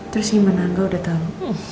terus gimana enggak udah tahu